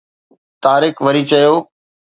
طارق وري چيو